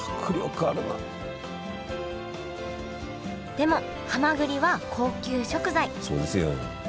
でもはまぐりは高級食材そうですよ。